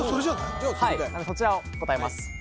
はいそちらを答えます